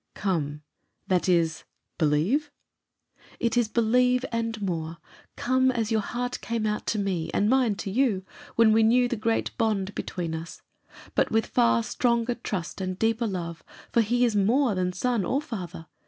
"Come that is believe?" "It is believe, and more. Come, as your heart came out to me, and mine to you, when we knew the great bond between us. But with far stronger trust and deeper love; for he is more than son or father.